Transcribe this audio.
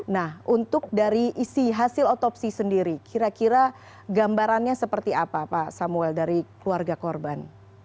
nah untuk dari isi hasil otopsi sendiri kira kira gambarannya seperti apa pak samuel dari keluarga korban